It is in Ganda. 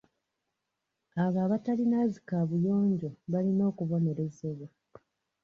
Abo abatalina zi kaabuyonjo balina okubonerezebwa.